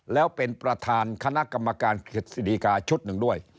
แล้วเป็นประธานคณะกรรมการกฤษฎีกาชุดหนึ่งด้วย